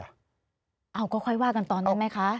เอ้าก็ค่อยว่ากันตอนนั้นไหมคะ